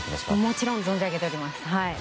もちろん存じ上げております。